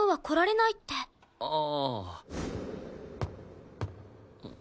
ああ。